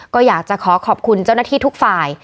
ก็อยากจะขอขอบคุณเจ้าหน้าที่ทุกฝ่าย